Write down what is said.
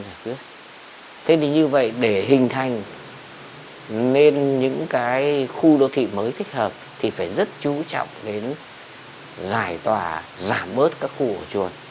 thế thì như vậy để hình thành nên những khu đô thị mới thích hợp thì phải rất chú trọng đến giải tòa giảm bớt các khu hồ chuột